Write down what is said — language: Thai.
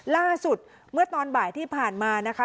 ล่าสุดเมื่อตอนบ่ายที่ผ่านมานะคะ